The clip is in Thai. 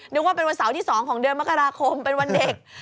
นึกว่าเป็นวันเสาร์ที่๒ของเดือนมกราคมเป็นวันเด็ก